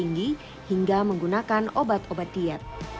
menggunakan minuman yang tinggi hingga menggunakan obat obat diet